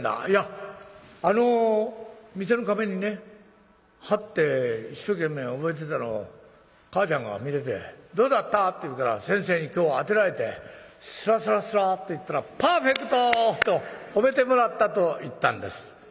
「いやあの店の壁にね貼って一生懸命覚えてたのを母ちゃんが見てて『どうだった？』って言うから先生に今日当てられてすらすらすらっと言ったら『パーフェクト』と褒めてもらったと言ったんです」。